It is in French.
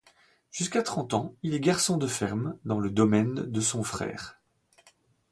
Jusqu'à trente ans, il est garçon de ferme dans le domaine de son frère.